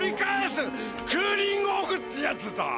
クーリングオフってやつだ！